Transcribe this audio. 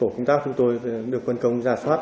chúng tôi được quân công ra soát